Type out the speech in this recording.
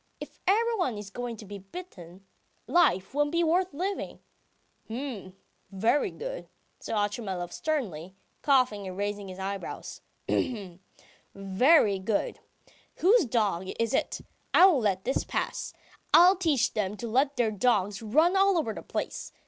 ... If everyone is going to be bitten, life won't be worth living. ..." "H'm. Very good," says Otchumyelov sternly, coughing and raising his eyebrows. "Very good. Whose dog is it? I won't let this pass! I'll teach them to let their dogs run all over the place!